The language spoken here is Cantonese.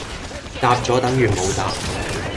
答咗等如冇答